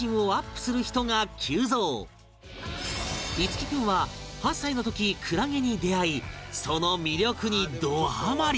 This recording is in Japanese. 樹君は８歳の時クラゲに出会いその魅力にどハマり！